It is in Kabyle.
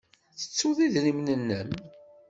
Tettud idrimen-nnem.